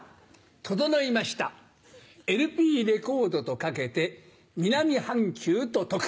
整いましたＬＰレコードと掛けて南半球と解く。